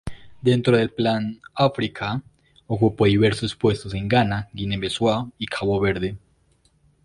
Dentro del Plan África, ocupó diversos puestos en Ghana, Guinea Bissau y Cabo Verde.